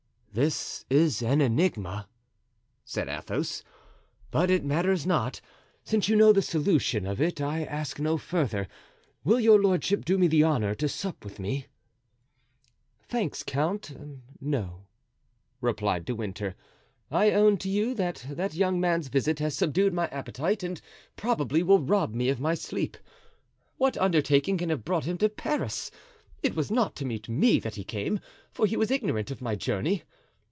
"This is an enigma," said Athos, "but it matters not; since you know the solution of it I ask no further. Will your lordship do me the honor to sup with me?" "Thanks, count, no," replied De Winter. "I own to you that that young man's visit has subdued my appetite and probably will rob me of my sleep. What undertaking can have brought him to Paris? It was not to meet me that he came, for he was ignorant of my journey.